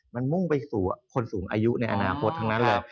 มันมุ่งไปสู่คนสูงอายุในอนาคตทั้งนั้นเลย